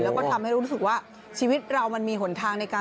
แล้วก็ทำให้รู้สึกว่าชีวิตเรามันมีหนทางในการ